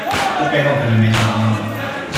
這背後可能沒什麼陰謀